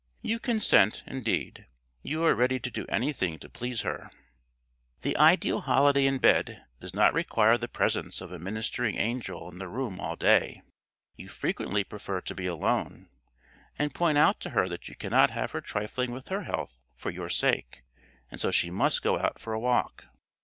You consent; indeed, you are ready to do anything to please her. [Illustration: And wonder how long it will be till dinner time] The ideal holiday in bed does not require the presence of a ministering angel in the room all day. You frequently prefer to be alone, and point out to her that you cannot have her trifling with her health for your sake, and so she must go out for a walk.